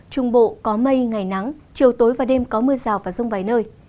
trung bộ có mây ngày nắng chiều tối và đêm có mưa rào và rông vài nơi